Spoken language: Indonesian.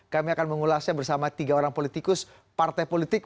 kami akan mengulasnya bersama tiga orang politikus partai politik